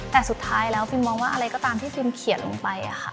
แต่สุดท้ายแล้วฟิล์มองว่าอะไรก็ตามที่ฟิล์เขียนลงไป